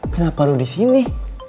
kenapa lo disini